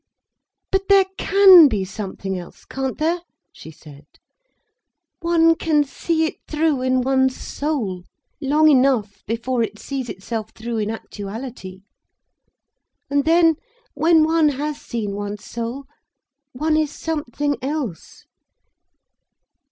"But there can be something else, can't there?" she said. "One can see it through in one's soul, long enough before it sees itself through in actuality. And then, when one has seen one's soul, one is something else."